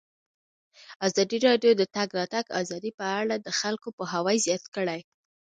ازادي راډیو د د تګ راتګ ازادي په اړه د خلکو پوهاوی زیات کړی.